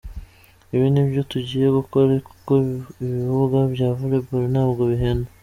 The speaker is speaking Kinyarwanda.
Ibi ni byo tugiye gukora kuko ibibuga bya Volleyball ntabwo bihenda.